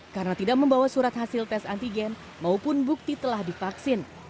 karena tidak membawa surat hasil tes antigen maupun bukti telah divaksin